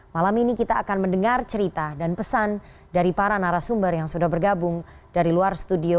malam ini kita akan mendengar cerita dan pesan dari para narasumber yang sudah bergabung dari luar studio